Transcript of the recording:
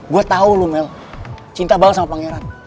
gue tau loh mel cinta banget sama pangeran